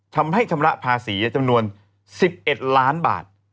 ชำระภาษีจำนวน๑๑ล้านบาท